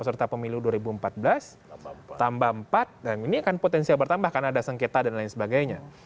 serta pemilu dua ribu empat belas tambah empat dan ini akan potensial bertambah karena ada sengketa dan lain sebagainya